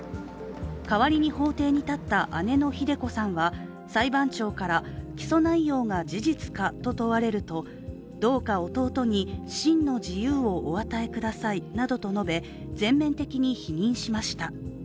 代わりに法廷に立った姉のひで子さんは裁判長から、起訴内容が事実かと問われるとどうか弟に真の自由をお与えくださいなどと述べ全面的に否認しました。